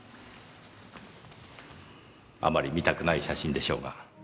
あまり見たくない写真でしょうが。